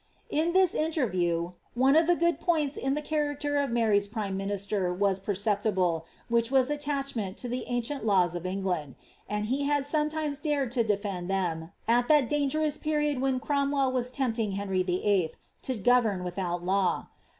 '' In this interview, one of the good points in the character of Mary's prime minister was perceptible, which was attachment to the ancient laws of England ; and he had sometimes dared to defend them, at that dangerous period when Cromwell was tempting Henry VIII. to govern without law.